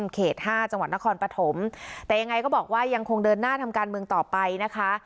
เขต๕จังหวัดนครปฐมแต่ยังไงก็บอกว่ายังคงเดินหน้าทำการเมืองต่อไปนะคะ